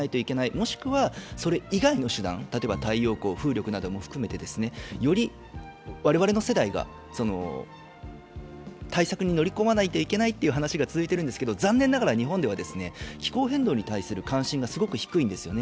もしくはそれ以外の手段太陽光、風力なども含めてより我々の世代が対策に乗り込まないといけないという話が続いているんですけど、残念ながら日本では気候変動に対する関心がすごく低いんですよね。